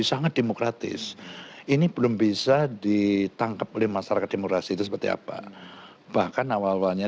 sangat demokratis ini belum bisa ditangkap oleh masyarakat demokrasi itu seperti apa bahkan awal awalnya